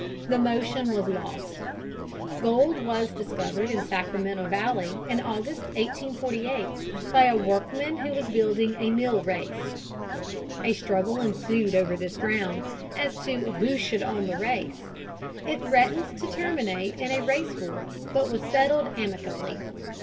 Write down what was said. The motion was lost. Gold was discovered in the Sacramento Valley in August, 1848, by a workman who was building a mill race. A struggle ensued over this ground as to who should own the race. It threatened to terminate in a race war, but was settled amicably.